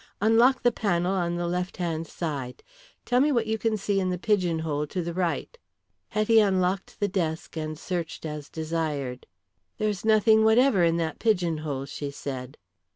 Unlock the panel on the left hand side. Tell me what you can see in the pigeonhole to the right." Hetty unlocked the desk and searched as desired. "There is nothing whatever in that pigeonhole," she said.